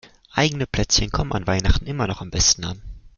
Eigene Plätzchen kommen an Weihnachten immer noch am besten an.